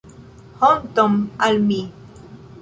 Honton al mi.